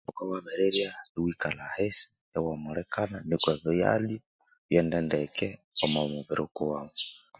Ghukabya wabirirya iwikalha ahisi iwahumulikana nuko bighende ndeke omwa mubiri ghukuwaghu